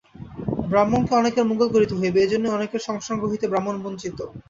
ব্রাহ্মণকে অনেকের মঙ্গল করিতে হইবে, এইজন্যই অনেকের সংসর্গ হইতে ব্রাহ্মণ বঞ্চিত।